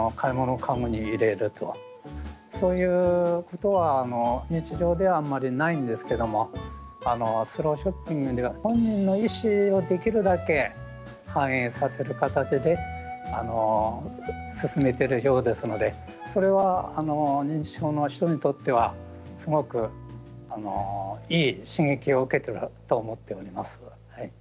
そういうことは日常ではあんまりないんですけどもスローショッピングでは本人の意思をできるだけ反映させる形で進めてるようですのでそれは認知症の人にとってはすごくいい刺激を受けてると思っております。